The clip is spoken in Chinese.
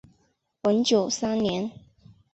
文久三年。